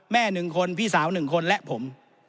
๑คนพี่สาว๑คนและผม